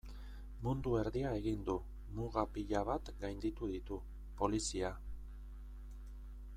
Mundu erdia egin du, muga pila bat gainditu ditu, polizia...